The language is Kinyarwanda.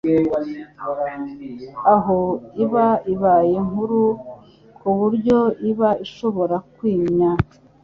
aho iba ibaye nkuru ku buryo iba ishobora kwimya